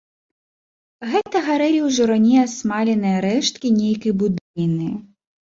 Гэта гарэлі ўжо раней асмаленыя рэшткі нейкай будыніны.